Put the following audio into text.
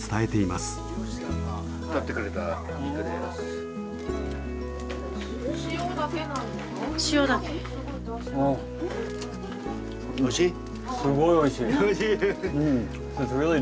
すごいおいしい。